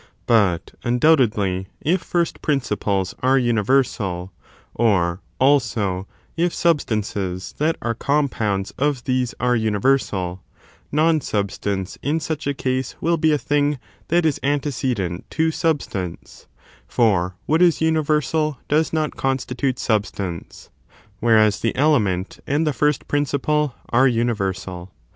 But, imdoubtedly, if first principles are uni priicip?e?be"* vcrsal, or, slso, if substances that are compounds universal, of thcsc are Universal, non substance in such a Tabstance te °' casc will be a thing that is antecedent to sub stance? '"^ stance ; for, what is universal does not consti tute substance: whereas the element and the first principle are universal.